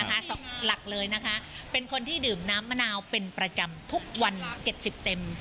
หลักเลยนะคะเป็นคนที่ดื่มน้ำมะนาวเป็นประจำทุกวัน๗๐เต็ม